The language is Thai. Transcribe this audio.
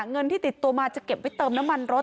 เงินที่ติดตัวมาจะเก็บไว้เติมน้ำมันรถ